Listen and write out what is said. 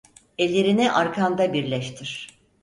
Ellerini arkanda birleştir.